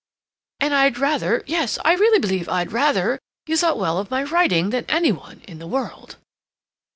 And I'd rather—yes, I really believe I'd rather—you thought well of my writing than any one in the world."